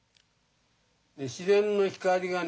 自然の光がね